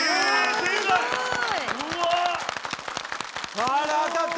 すごい。